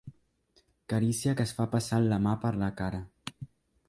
Carícia que es fa passant la mà per la cara.